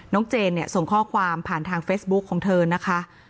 เจนเนี่ยส่งข้อความผ่านทางเฟซบุ๊คของเธอนะคะ